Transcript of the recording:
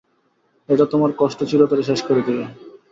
এটা তোমার কষ্ট চিরতরে শেষ করে দিবে।